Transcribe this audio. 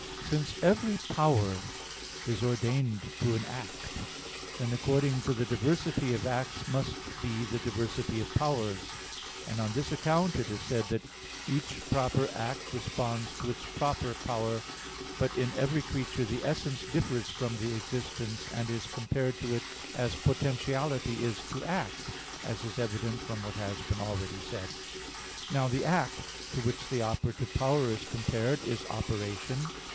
Since every power is ordained to an act, then according to the diversity of acts must be the diversity of powers; and on this account it is said that each proper act responds to its proper power. But in every creature the essence differs from the existence, and is compared to it as potentiality is to act, as is evident from what has been already said (Q. 44, A. 1). Now the act to which the operative power is compared is operation.